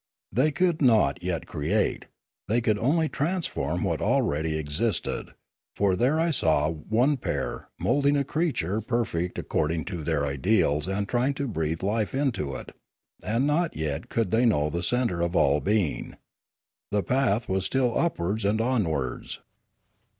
They could not yet create; they could only transform what already existed, for there I saw one pair, moulding a creature perfect according to their ideals and trying to breathe life into it, and not yet could they know the centre of all being. The path was still upwards and onwards.